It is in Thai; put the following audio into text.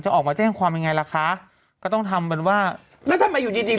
ออกมาแจ้งความยังไงล่ะคะก็ต้องทำเป็นว่าแล้วทำไมอยู่ดีดี